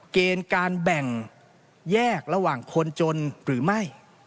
เกณฑ์การแบ่งแยกระหว่างคนจนหรือไม่